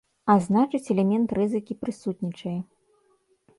А значыць, элемент рызыкі прысутнічае.